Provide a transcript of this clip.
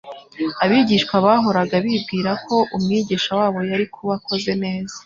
Abigishwa bahoraga bibwira ko Umwigisha wabo yari kuba akoze neza,